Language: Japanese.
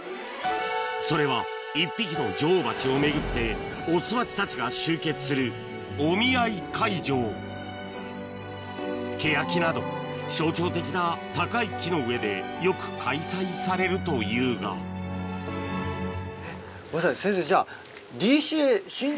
それは１匹の女王バチを巡ってオスバチたちが集結するケヤキなど象徴的な高い木の上でよく開催されるというが先生じゃあ。